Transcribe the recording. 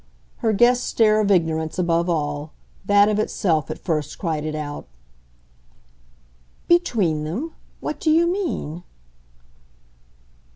Her guest's stare of ignorance, above all that of itself at first cried it out. "'Between them?' What do you mean?"